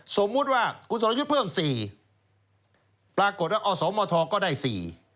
สมมุติว่าคุณศอลยุทธ์เพิ่ม๔ปรากฏว่าเอา๒มธก็ได้๔